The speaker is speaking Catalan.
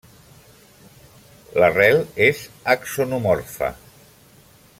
La rel és axonomorfa.